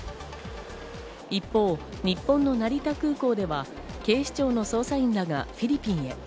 一方、日本の成田空港では警視庁の捜査員らがフィリピンへ。